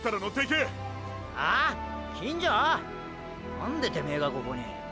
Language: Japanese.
なんでてめェがここに。